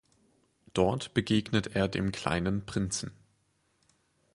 Dort begegnet er dem kleinen Prinzen.